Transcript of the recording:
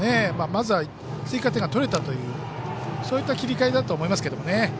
まずは追加点が取れたというそういった切り替えだと思います。